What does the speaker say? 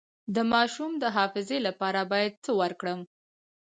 د ماشوم د حافظې لپاره باید څه ورکړم؟